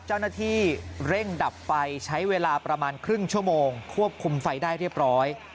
เจ้าหน้าที่เร่งดับไฟใช้เวลาประมาณครึ่งชั่วโมงควบคุมไฟได้เรียบร้อย